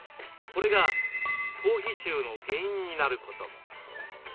これが頭皮臭の原因になることも。